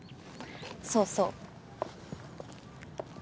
そうそう。